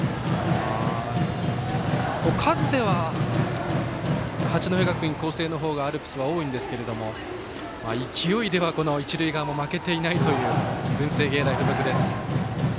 数では八戸学院光星の方がアルプスは多いんですけど勢いでは一塁側も負けていないという文星芸大付属です。